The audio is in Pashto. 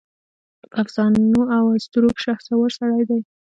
په افسانواواسطوروکې شهسوار سړی دی